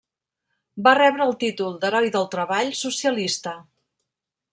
Va rebre el títol d'Heroi del Treball Socialista.